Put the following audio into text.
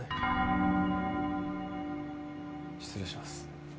失礼します。